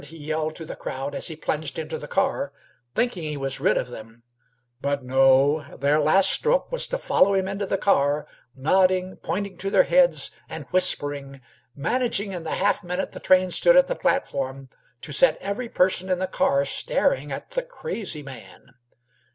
he yelled to the crowd, as he plunged into the car, thinking he was rid of them at last. He was mistaken. Their last stroke was to follow him into the car, nodding, pointing to their heads, and whispering, managing in the half minute the train stood at the platform to set every person in the car staring at the "crazy man."